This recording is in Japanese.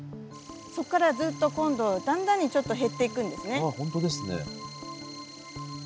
そこからずっと今度だんだんにちょっと減っていくんですね。